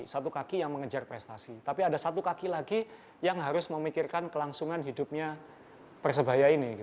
satu kaki yang mengejar prestasi tapi ada satu kaki lagi yang harus memikirkan kelangsungan hidupnya persebaya ini